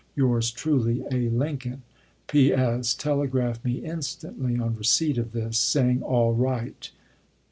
Yours truly, A. Lincoln. P. S. Telegraph me instantly on receipt of this, saying, ms. "All right."